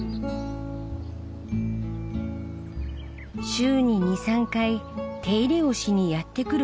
週に２３回手入れをしにやって来る畑。